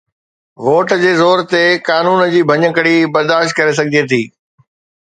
Vote جي زور تي قانون جي ڀڃڪڙي برداشت ڪري سگهجي ٿي.